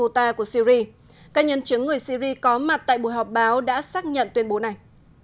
các nhân chứng người syri có mặt tại buổi họp báo đã xác nhận tuyên bố này